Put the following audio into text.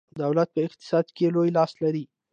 دولت په اقتصاد کې لوی لاس لري.